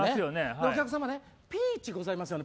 お客様ピーチがございますよね。